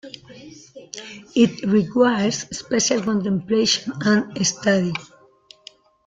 It requires special contemplation and study.